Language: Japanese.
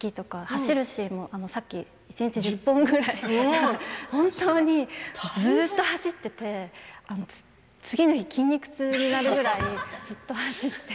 走るシーンもさっき一日１０本くらい本当にずっと走っていて次の日、筋肉痛になるくらいずっと走って。